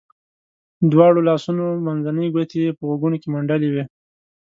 دواړو لاسو منځنۍ ګوتې یې په غوږونو کې منډلې وې.